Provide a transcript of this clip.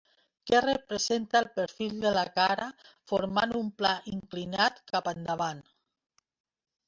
Que presenta el perfil de la cara formant un pla inclinat cap endavant.